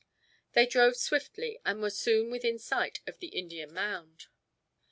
They drove swiftly and were soon within sight of the Indian Mound.